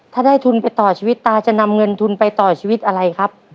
ถ้าได้ทุนไปต่อชีวิตตาจะนำเงินทุนไปต่อชีวิตอะไรครับ